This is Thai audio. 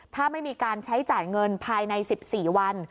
ถ้าไม่มีการใช้จ่ายเงินภายใน๑๔วัน